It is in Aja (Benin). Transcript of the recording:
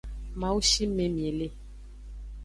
Mawu shime mi le.